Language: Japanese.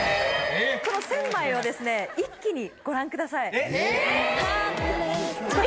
その１０００枚を一気にご覧ください。